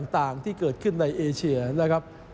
ต่างที่เกิดขึ้นในเอเชียนะครับ